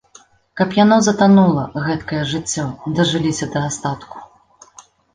Каб яно затанула, гэткае жыццё, дажыліся да астатку.